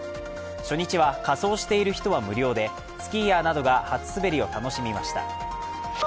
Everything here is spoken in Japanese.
初日は仮装している人は無料でスキーヤーなどが初滑りを楽しみました。